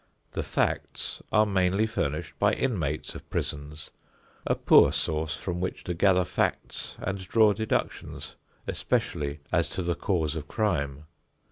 The facts are mainly furnished by inmates of prisons, a poor source from which to gather facts and draw deductions, especially as to the cause of crime.